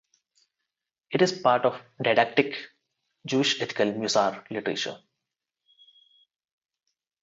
It is part of didactic Jewish ethical Musar literature.